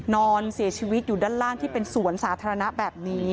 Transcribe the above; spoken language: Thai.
นอนเสียชีวิตอยู่ด้านล่างที่เป็นสวนสาธารณะแบบนี้